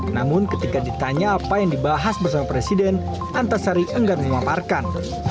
namun ketika ditanya apa yang dibahas bersama presiden antasari enggan memaparkan